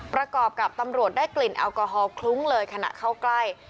ประกอบกับตำรวจได้กลิ่นแอลกอฮอลคลุ้งเลยขณะเข้าใกล้